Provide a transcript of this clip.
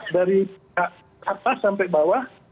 dari atas sampai bawah